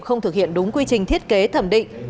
không thực hiện đúng quy trình thiết kế thẩm định